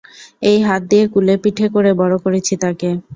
এই হাত দিয়ে কুলেপিঠে করে বড় করেছি তাকে।